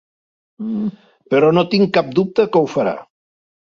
Però no tinc cap dubte que ho farà.